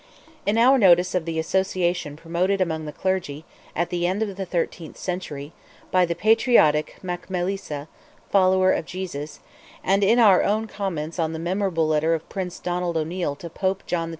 In our notice of the association promoted among the clergy, at the end of the thirteenth century, by the patriotic McMaelisa, ("follower of Jesus"), and in our own comments on the memorable letter of Prince Donald O'Neil to Pope John XXII.